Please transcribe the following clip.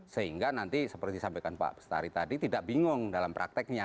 sehingga nanti seperti disampaikan pak bestari tadi tidak bingung dalam prakteknya